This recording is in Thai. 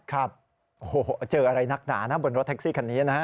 ครับเจออะไรหนักหนานะบนรถแท็กซี่คันนี้นะ